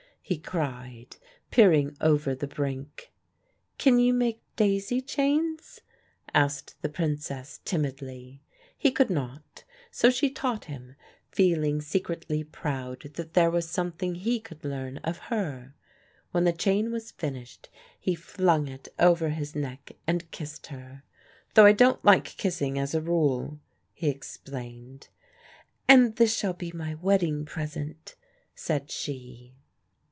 he cried, peering over the brink. "Can you make daisy chains?" asked the Princess timidly. He could not; so she taught him, feeling secretly proud that there was something he could learn of her. When the chain was finished he flung it over his neck and kissed her. "Though I don't like kissing, as a rule," he explained. "And this shall be my wedding present," said she.